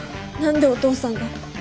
何でお父さんが？